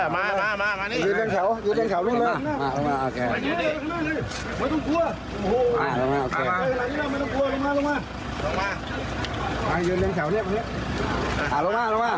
มาทีละคนลงมา